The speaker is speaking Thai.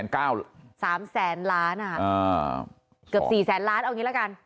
เกือบ๔แสนล้านเอาอย่างนี้ละกัน